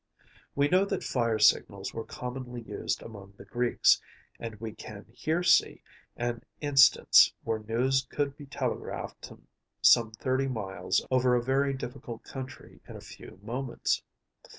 We know that fire signals were commonly used among the Greeks, and we can here see an instance where news could be telegraphed some thirty miles over a very difficult country in a few moments.